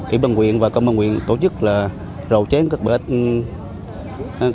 ủy ban nguyện và công an nguyện tổ chức là rầu chén các bãi tông